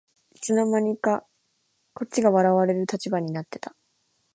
いつの間にかこっちが笑われる立場になってた